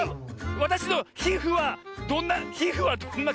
わたしのひふはどんなひふはどんなかんじですか？